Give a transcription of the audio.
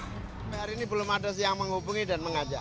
sampai hari ini belum ada yang menghubungi dan mengajak